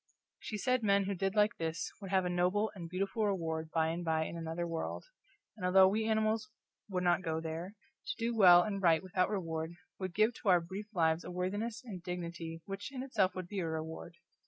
She said men who did like this would have a noble and beautiful reward by and by in another world, and although we animals would not go there, to do well and right without reward would give to our brief lives a worthiness and dignity which in itself would be a reward.